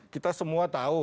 kita semua tahu